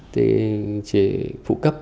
thế phụ cấp